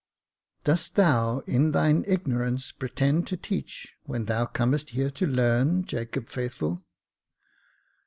"Dost thou, in thine ignorance, pretend to teach when thou comest here to learn, Jacob Faithful